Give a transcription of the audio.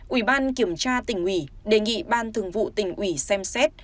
ủy ban kiểm tra tỉnh ủy đề nghị ban thường vụ tỉnh ủy xem xét